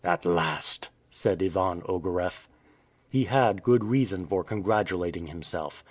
"At last!" said Ivan Ogareff. He had good reason for congratulating himself.